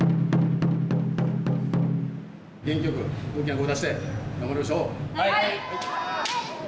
元気よく、大きな声出して、頑張りましょう。